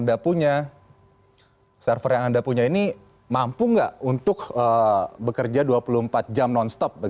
anda punya server yang anda punya ini mampu nggak untuk bekerja dua puluh empat jam non stop